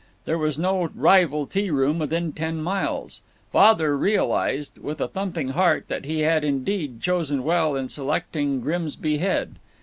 There was no rival tea room within ten miles. Father realized with a thumping heart that he had indeed chosen well in selecting Grimsby Head.